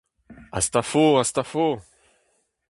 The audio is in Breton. Hast afo ! hast afo !…